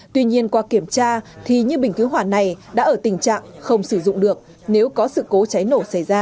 tuy nhiên qua kiểm tra thì như bình cứu hỏa này đã ở tình trạng không sử dụng được nếu có sự cố cháy nổ xảy ra